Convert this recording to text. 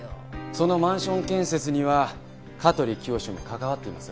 そのマンション建設には香取清も関わっています。